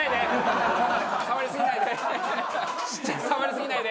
触りすぎないで！